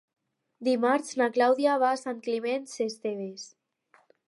Dimarts na Clàudia va a Sant Climent Sescebes.